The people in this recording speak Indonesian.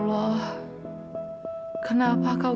tapi dengan cinta dan kesetiaan